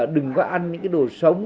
đừng có ăn những cái đồ sống